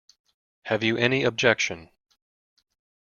Have you any objection?